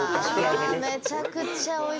めちゃくちゃおいしそう。